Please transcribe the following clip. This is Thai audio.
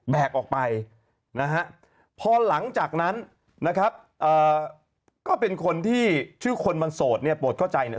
ออกไปนะฮะพอหลังจากนั้นนะครับก็เป็นคนที่ชื่อคนมันโสดเนี่ยโปรดเข้าใจเนี่ย